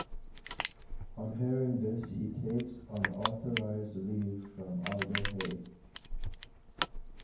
On hearing this he takes an unauthorized leave from Alder Hey.